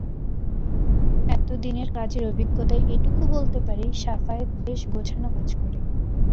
এতদিনের কাজের অভিজ্ঞতায় এটুকু বলতে পারি, শাফায়েত বেশ গোছানো কাজ করে।